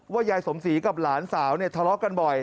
ยายสมศรีกับหลานสาวเนี่ยทะเลาะกันบ่อย